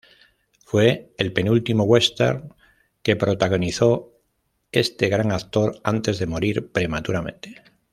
Fue el penúltimo western que protagonizó este gran actor antes de morir prematuramente.